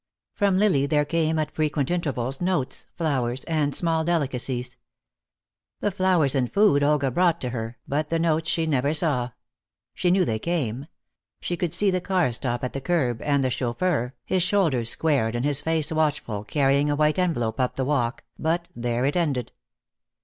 From Lily there came, at frequent intervals, notes, flowers and small delicacies. The flowers and food Olga brought to her, but the notes she never saw. She knew they came. She could see the car stop at the curb, and the chauffeur, his shoulders squared and his face watchful, carrying a white envelope up the walk, but there it ended.